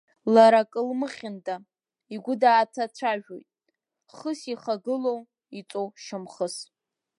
Лара акы лмыхьында, игәы дааҭацәажәоит, хыс ихагылоу, иҵоу шьамхыс.